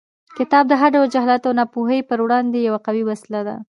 کتاب د هر ډول جهالت او ناپوهۍ پر وړاندې یوه قوي وسله ده.